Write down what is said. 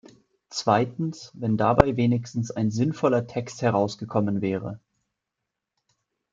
Zweitens, wenn dabei wenigstens ein sinnvoller Text herausgekommen wäre!